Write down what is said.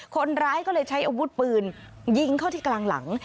คนร้ายก็เลยใช้อาวุธปืนยิงเข้าที่กลางหลัง